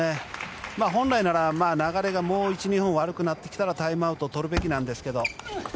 本来なら流れがもう１２本悪くなってきたらタイムアウトを取るべきですが。